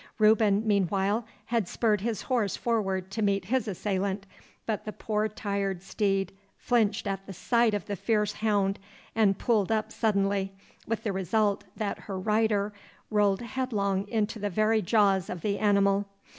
Reuben, meanwhile, had spurred his horse forward to meet his assailant; but the poor tired steed flinched at the sight of the fierce hound, and pulled up suddenly, with the result that her rider rolled headlong into the very jaws of the animal.